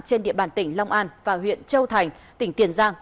trên địa bàn tỉnh long an và huyện châu thành tỉnh tiền giang